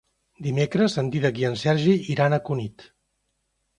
Dimecres en Dídac i en Sergi iran a Cunit.